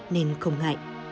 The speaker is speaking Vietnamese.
nên không ngại